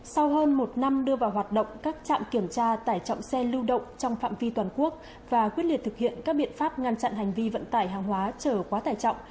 sau hơn một năm đưa vào hoạt động các trạm kiểm tra tải trọng xe lưu động trong phạm vi toàn quốc và quyết liệt thực hiện các biện pháp ngăn chặn hành vi vận tải hàng hóa trở quá tải trọng